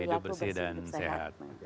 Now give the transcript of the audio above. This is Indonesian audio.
ya kebersihan dan sehat